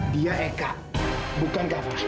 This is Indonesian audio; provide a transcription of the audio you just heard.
dia eka bukan kava